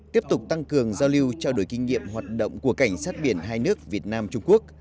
tiếp tục tăng cường giao lưu trao đổi kinh nghiệm hoạt động của cảnh sát biển hai nước việt nam trung quốc